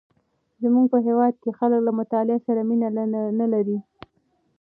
زمونږ په هیواد کې خلک له مطالعې سره مینه نه لري.